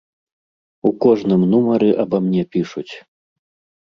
У кожным нумары аба мне пішуць.